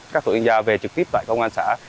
các tổ liên gia về trực tiếp tại công an xã